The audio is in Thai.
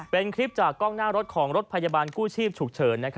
เป็นคลิปจากกล้องหน้ารถของรถพยาบาลกู้ชีพฉุกเฉิน